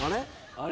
あれ？